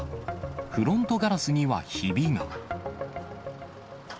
フロントガラスにはひびが。